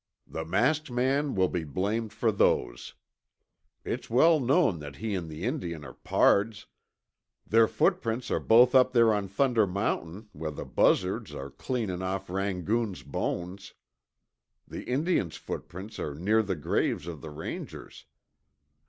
"The masked man will be blamed for those. It's well known that he an' that Indian are pards. Their footprints are both up there on Thunder Mountain where the buzzards are cleanin' off Rangoon's bones. The Indian's footprints are near the graves of the Rangers.